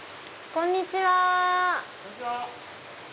こんにちは。